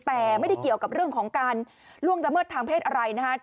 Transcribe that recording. แต่ไม่ได้เกี่ยวกับเรื่องของการล่วงละเมิดทางเพศอะไรนะครับ